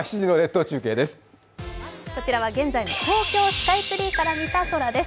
こちらは現在の東京スカイツリーから見た空です。